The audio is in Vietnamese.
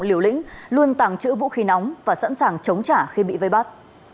liều lĩnh luôn tàng trữ vũ khí nóng và sẵn sàng chống trả khi bị vây bắt